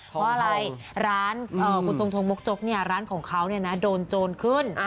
เพราะอะไรคือครั้งคมกจกเนี่ยร้านของเขาโดนโจนน์ขึ้น